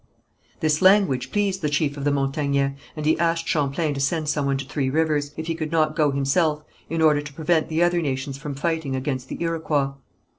This language pleased the chief of the Montagnais, and he asked Champlain to send some one to Three Rivers, if he could not go himself, in order to prevent the other nations from fighting against the Iroquois.